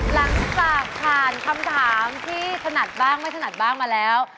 หลังจากผ่านคำถามที่ถนัดบ้างไม่ถนัดบ้างมาแล้ว